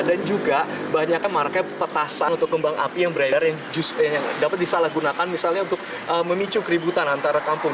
dan juga banyaknya markah petasan untuk kembang api yang beradar yang dapat disalahgunakan misalnya untuk memicu keributan antara kampung